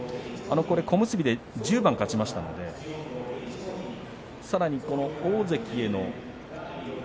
小結で１０番勝ちましたのでさらに大関への。